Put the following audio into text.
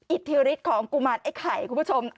อิทธิฤทธิ์ของกุมารไอ้ไข่คุณผู้ชม